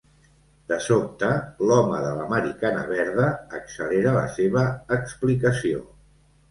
De sobte, l'home de l'americana verda accelera la seva explicació.